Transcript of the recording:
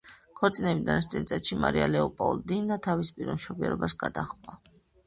ქორწინებიდან ერთ წელიწადში მარია ლეოპოლდინა თავის პირველ მშობიარობას გადაჰყვა.